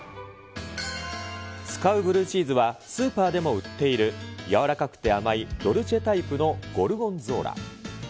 使うブルーチーズはスーパーでも売っている、やわらかくて甘いドルチェタイプのゴルゴンゾーラ。